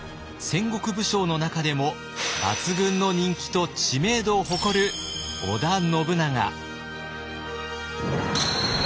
戦国武将の中でも抜群の人気と知名度を誇る織田信長。